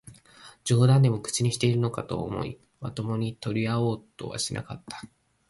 冗談でも口にしているのかと思い、まともに取り合おうとはしなかった